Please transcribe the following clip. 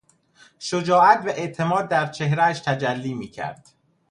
شجاعت و اعتماد در چهرهاش تجلی میکرد.